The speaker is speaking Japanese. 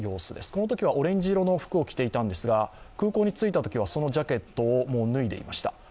このときはオレンジ色の服を着ていたんですが、空港に着いたときはそのジャケットをもう脱いでいました。